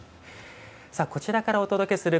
こちらからお届けする